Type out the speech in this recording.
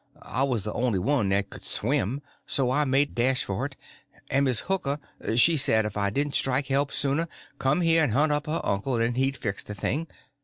I was the only one that could swim, so I made a dash for it, and Miss Hooker she said if I didn't strike help sooner, come here and hunt up her uncle, and he'd fix the thing.